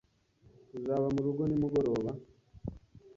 Uzaba murugo nimugoroba?